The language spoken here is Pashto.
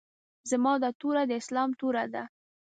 زما دا توره د اسلام توره ده.